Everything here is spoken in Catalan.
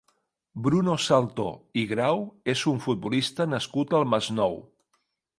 Bruno Saltor i Grau és un futbolista nascut al Masnou.